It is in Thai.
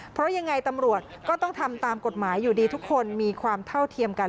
เพราะยังไงตำรวจก็ต้องทำตามกฎหมายอยู่ดีทุกคนมีความเท่าเทียมกัน